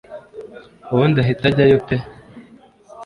ubundi ahita ajyayo pe